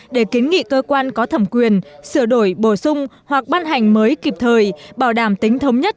để kiến nghị cơ quan có thẩm quyền sửa đổi bổ sung hoặc ban hành mới kịp thời bảo đảm tính thống nhất